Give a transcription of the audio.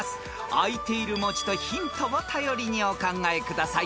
［あいている文字とヒントを頼りにお考えください］